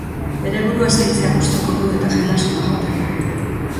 Bere burua zaintzea gustuko du eta gimnasiora joaten da.